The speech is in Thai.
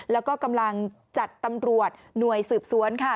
แล้วก็กำลังจัดตำรวจหน่วยสืบสวนค่ะ